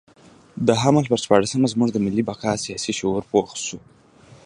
د حمل پر شپاړلسمه زموږ د ملي بقا سیاسي شعور پوخ شو.